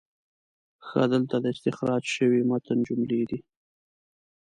ښه، دلته د استخراج شوي متن جملې دي: